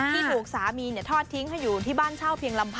ที่ถูกสามีทอดทิ้งให้อยู่ที่บ้านเช่าเพียงลำพัง